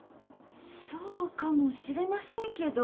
そうかもしれませんけど。